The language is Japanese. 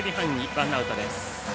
ワンアウトです。